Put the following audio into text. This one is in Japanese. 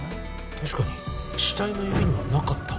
確かに死体の指にはなかった。